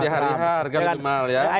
dekat dia harga lebih mahal ya